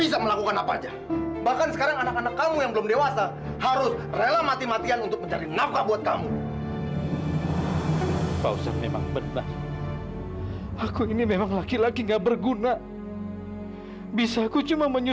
sampai jumpa di video selanjutnya